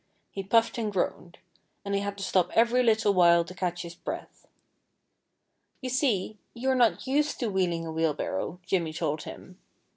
He puffed and groaned. And he had to stop every little while to catch his breath. "You see, you're not used to wheeling a wheelbarrow," Jimmy told him.